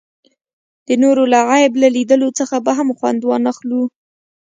د نورو له عیب له لیدلو څخه به هم خوند وانخلو.